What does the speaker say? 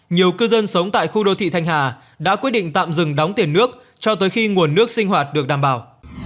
nhiều cư dân sống tại khu đô thị thanh hà đã quyết định tạm dừng đóng tiền nước cho tới khi nguồn nước sinh hoạt được đảm bảo